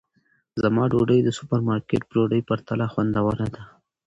زما ډوډۍ د سوپرمارکېټ په ډوډۍ پرتله خوندوره ده.